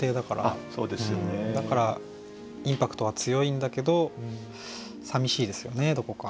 だからインパクトは強いんだけどさみしいですよねどこか。